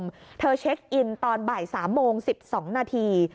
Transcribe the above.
เธอการตรวจออกตอนบ่าย๓โมง๑๒นาที